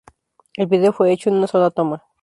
El vídeo fue hecho en una sola toma.